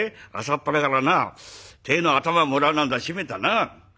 朝っぱらからな鯛の頭もらうなんぞしめたな。